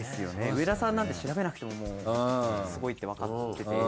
上田さんなんて調べなくても凄いってわかってて。